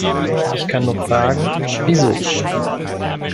Ich kann nur fragen, wieso.